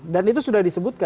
dan itu sudah disebutkan